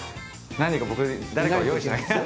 何か僕誰かを用意しなきゃ。